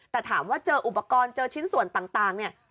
แต่ถามว่าเจออุปกรณ์เจอชิ้นส่วนต่างเนี่ย